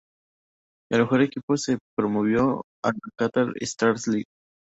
El mejor equipo es promovido a la Qatar Stars League.